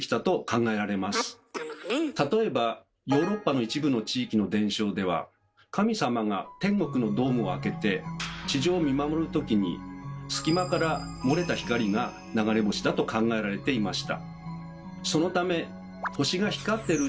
例えばヨーロッパの一部の地域の伝承では神様が天国のドームを開けて地上を見守る時に隙間から漏れた光が流れ星だと考えられていました。